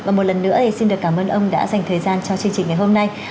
và một lần nữa thì xin được cảm ơn ông đã dành thời gian cho chương trình ngày hôm nay